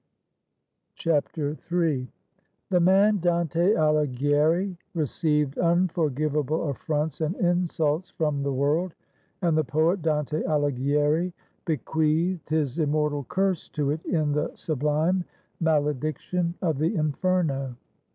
III. The man Dante Alighieri received unforgivable affronts and insults from the world; and the poet Dante Alighieri bequeathed his immortal curse to it, in the sublime malediction of the Inferno.